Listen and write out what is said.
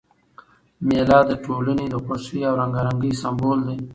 مېله د ټولني د خوښۍ او رنګارنګۍ سېمبول ده.